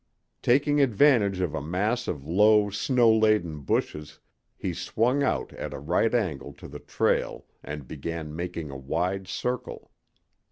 Taking advantage of a mass of low snow laden bushes, he swung out at a right angle to the trail and began making a wide circle.